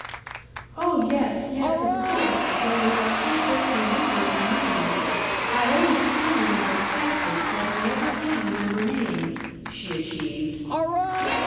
"Oh yes, yes, of course, though I can't just remember your name. I always can remember faces, but I never can remember names," she achieved.